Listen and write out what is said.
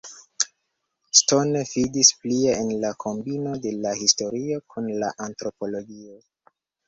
Stone fidis plie en la kombino de la historio kun la antropologio.